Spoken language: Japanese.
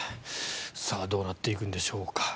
どうなっていくんでしょうか。